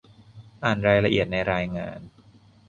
อ่านรายละเอียดในรายงาน